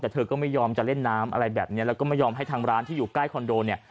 แต่เธอก็ไม่ยอมจะเล่นน้ำอะไรแบบนี้แล้วก็ไม่ยอมให้ทางร้านที่อยู่ใกล้คอนโดเนี่ย